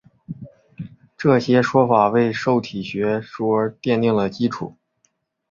这些说法为受体学说奠定了基础。